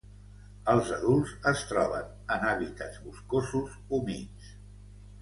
Els adults es troben en hàbitats boscosos humits.